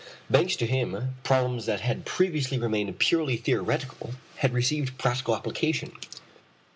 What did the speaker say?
Thanks to him, problems that had previously remained purely theoretical had received practical application.